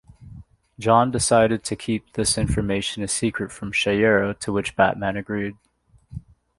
John decided to keep this information a secret from Shayera to which Batman agreed.